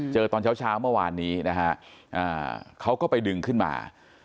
เจอตอนเช้าเช้าเมื่อวานนี้นะฮะอ่าเขาก็ไปดึงขึ้นมา